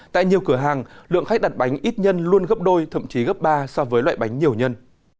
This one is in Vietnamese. tại nhiều cửa hàng lượng khách đặt bánh ít nhân luôn gấp đôi thậm chí gấp ba so với loại bánh nhiều nhân